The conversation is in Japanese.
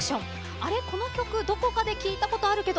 あれ、この曲どこかで聞いたことあるけど。